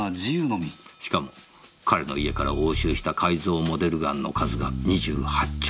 しかも彼の家から押収した改造モデルガンの数が２８丁。